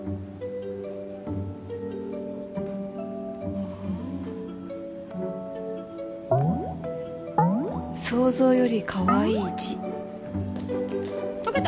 ああ想像よりかわいい字解けた？